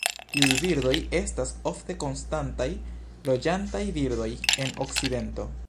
Tiuj birdoj estas ofte konstantaj loĝantaj birdoj en okcidento.